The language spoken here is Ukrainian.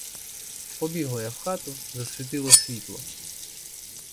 Побігла я в хату, засвітила світло.